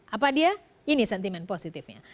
apa dia ini sentimen positifnya